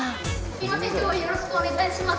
すいません今日はよろしくお願いします。